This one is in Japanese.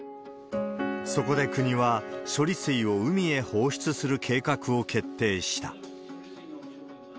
そこで国は、処理水を海へ放出する計画を決定した。